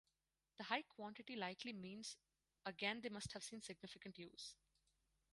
The high quantity likely means again they must have seen significant use.